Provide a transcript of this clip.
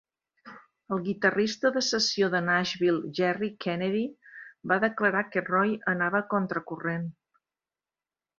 El guitarrista de sessió de Nashville, Jerry Kennedy, va declarar que Roy anava contracorrent.